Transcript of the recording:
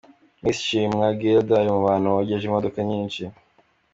Miss Shimwa Guelda ari mu bantu bogeje imodoka nyinshi.